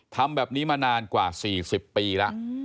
ทำแบบนี้มานานกว่า๔๐ปีแล้ว